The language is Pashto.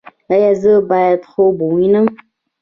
ایا زه باید خوب ووینم؟